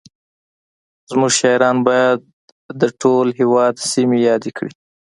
زموږ شاعران باید د ټول هېواد سیمې یادې کړي